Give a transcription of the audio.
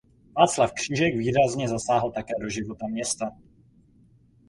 Václav Křížek výrazně zasáhl také do života města.